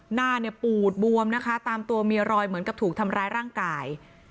หน้าเนี่ยปูดบวมนะคะตามตัวมีรอยเหมือนกับถูกทำร้ายร่างกาย